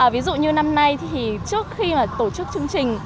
ví dụ như năm nay thì trước khi mà tổ chức chương trình